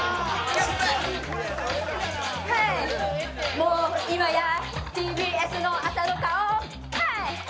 もう今やＴＢＳの朝の顔ねヘイ！